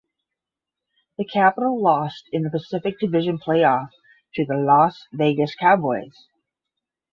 The Capitols lost in the Pacific Division Playoff to the Las Vegas Cowboys.